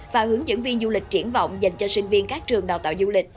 và hướng dẫn viên du lịch triển vọng dành cho sinh viên các trường đào tạo du lịch